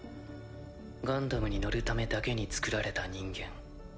ガンダムに乗るためだけにつくられた人間。